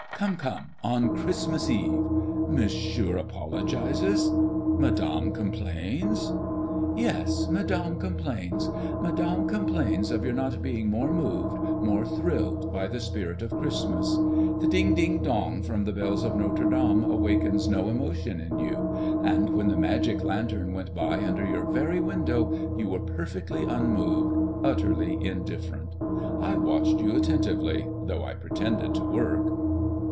"Come, come; on Christmas Eve!" "Monsieur apologizes?" "Madame complains?" "Yes; Madame complains. Madame complains of your not being more moved, more thrilled by the spirit of Christmas. The ding ding dong from the bells of Notre Dame awakens no emotion in you; and when the magic lantern went by under your very window, you were perfectly unmoved, utterly indifferent. I watched you attentively, though I pretended to work."